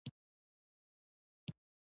د بغلان ولایت د چشم شیر د باغونو بادونه.